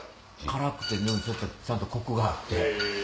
辛くてちゃんとコクがあって。